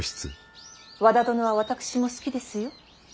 和田殿は私も好きですよ。